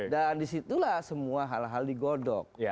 dan di situlah semua hal hal digodok